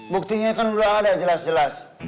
buktinya kan sudah ada jelas jelas